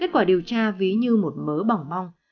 kết quả điều tra ví như một mớ bỏng mong